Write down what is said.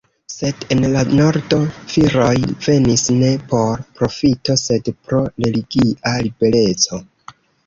Sed en la nordo, viroj venis ne por profito sed pro religia libereco.